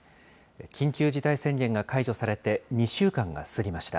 緊急事態宣言が解除されて２週間が過ぎました。